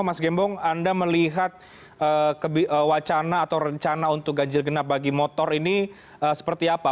mas gembong anda melihat wacana atau rencana untuk ganjil genap bagi motor ini seperti apa